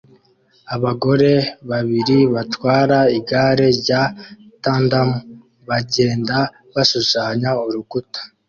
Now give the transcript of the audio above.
Abagore babiri batwara igare rya tandem bagenda bashushanya urukuta